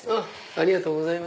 ありがとうございます。